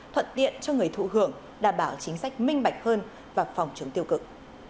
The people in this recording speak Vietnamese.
thuận tiện cho người thụ hưởng đảm bảo chính sách minh bạch hơn và phòng chống tiêu cực